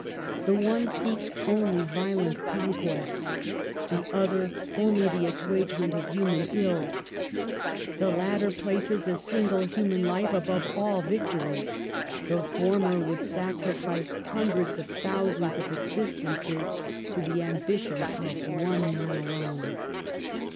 "The one seeks only violent conquests, the other only the assuagement of human ills. The latter places a single human life above all vic tories; the former would sacrifice hundreds of thousands of existences to the ambition of one THE PASTEUR INSTITUTE 183 man alone.